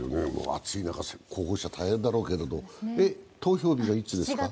暑い中、候補者大変だろうけれども投票日はいつですか？